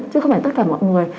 chứ không phải tất cả mọi người